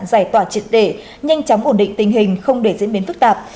giải tỏa triệt để nhanh chóng ổn định tình hình không để diễn biến phức tạp